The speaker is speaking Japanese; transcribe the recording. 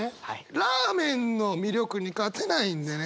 ラーメンの魅力に勝てないんでね。